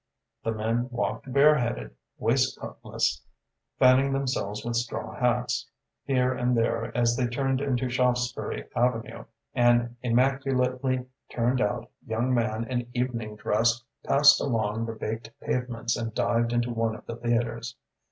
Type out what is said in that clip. The men walked bareheaded, waistcoatless, fanning themselves with straw hats. Here and there, as they turned into Shaftesbury Avenue, an immaculately turned out young man in evening dress passed along the baked pavements and dived into one of the theatres.